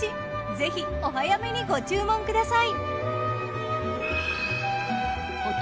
ぜひお早めにご注文ください。